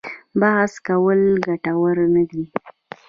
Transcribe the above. بحث کول ګټور نه دي.